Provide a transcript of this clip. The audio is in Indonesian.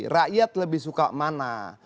rakyat lebih suka mana